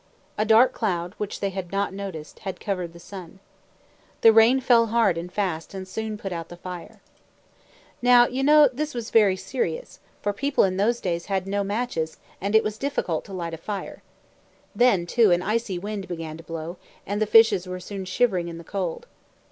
A dark cloud, which they had not noticed, had covered the sun. The rain fell hard and fast and soon put out the fire. Now, you know, this was very serious, for people in those days had no matches, and it was difficult to light a fire. Then, too, an icy wind began to blow, and the fishes were soon shivering in the cold.